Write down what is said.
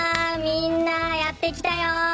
みんな、やってきたよ！